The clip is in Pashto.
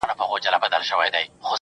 سبا چي راسي د سبــا له دره ولــوېږي.